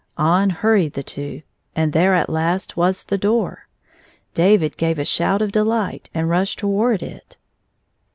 On hurried the two, and there, at last, was the door. David gave a shout of dehght, and rushed toward it.